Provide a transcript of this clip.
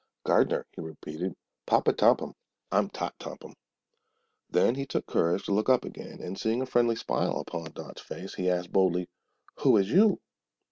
"Gard'ner," he repeated. "Papa Tompum. I'm Tot Tompum." Then he took courage to look up again, and seeing a friendly smile upon Dot's face he asked boldly, "Who is you?"